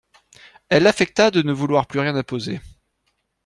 Elle affecta de ne vouloir plus rien imposer.